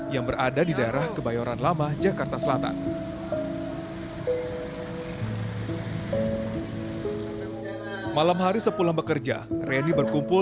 yang berada di daerah kebayoran lama jakarta selatan malam hari sepulang bekerja reni berkumpul